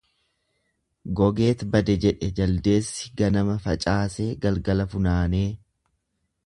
Gogeet bade jedhe jaldeessi ganama facaasee galgala funaanee.